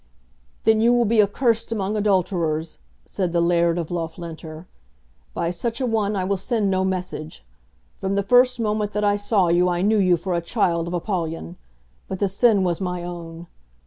"Then you will be accursed among adulterers," said the laird of Loughlinter. "By such a one I will send no message. From the first moment that I saw you I knew you for a child of Apollyon. But the sin was my own.